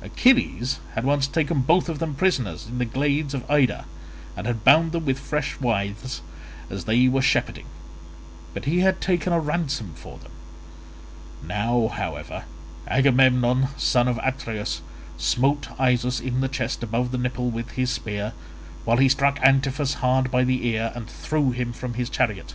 Achilles had once taken both of them prisoners in the glades of Ida, and had bound them with fresh withes as they were shepherding, but he had taken a ransom for them; now, however, Agamemnon son of Atreus smote Isus in the chest above the nipple with his spear, while he struck Antiphus hard by the ear and threw him from his chariot.